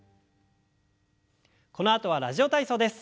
このあとは「ラジオ体操」です。